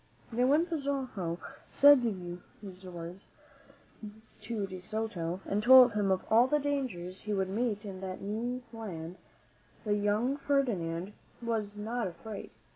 Now, when Pizarro said these words to De Soto and told him of all the dangers he would meet in that new land, the young Ferdinand was not afraid.